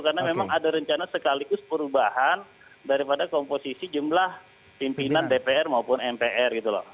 karena memang ada rencana sekaligus perubahan daripada komposisi jumlah pimpinan dpr maupun mpr gitu loh